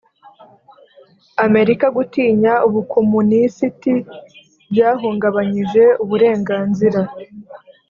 amerika gutinya ubukomunisiti byahungabanyije uburenganzira